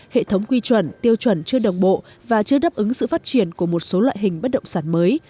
hệ thống quy chuẩn tiêu chuẩn chưa đồng bộ và chưa đáp ứng sự phát triển của một số loại hình bất động sản mới